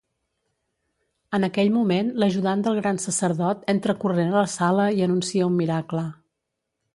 En aquell moment, l'ajudant del gran sacerdot entra corrent a la sala i anuncia un miracle.